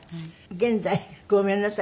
現在ごめんなさいね。